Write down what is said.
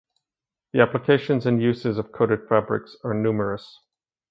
The applications and uses of coated fabrics are numerous.